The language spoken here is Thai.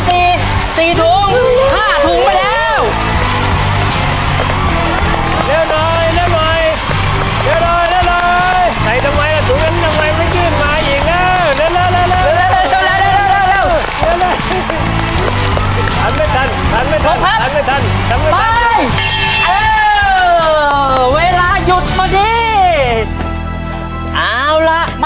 ไปเรื่อยแล้วนะครับ